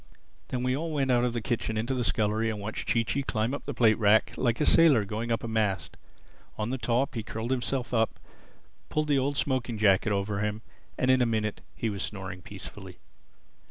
Then we all went out of the kitchen into the scullery and watched Chee Chee climb the plate rack like a sailor going up a mast. On the top, he curled himself up, pulled the old smoking jacket over him, and in a minute he was snoring peacefully.